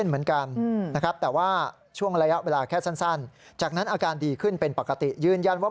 เหมือนกันนะครับแต่ว่าช่วงระยะเวลาแค่สั้นจากนั้นอาการดีขึ้นเป็นปกติยืนยันว่า